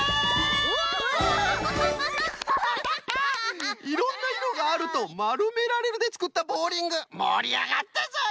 すごい！「いろんないろがある」と「まるめられる」でつくったボウリングもりあがったぞい！